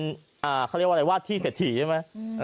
เขาเรียกว่าอะไรวาดที่เศรษฐีใช่ไหม